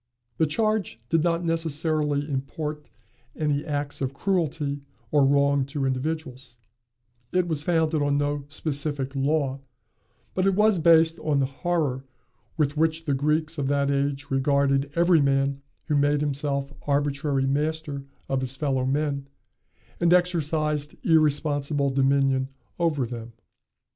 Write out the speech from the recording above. The charge did not necessarily import any acts of cruelty or wrong to individuals: it was founded on no specific law; but it was based on the horror with which the Greeks of that age regarded every man who made himself arbitrary master of his fellow men, and exercised irresponsible dominion over them.